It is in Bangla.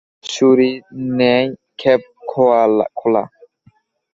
ছুরির ন্যায় খাপখোলা!